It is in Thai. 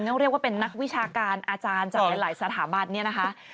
เรียกว่าเป็นนักวิชาการอาจารย์จากหลายสถาบันเนี่ยนะคะ